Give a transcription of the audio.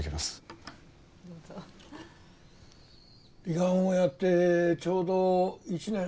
胃がんをやってちょうど１年。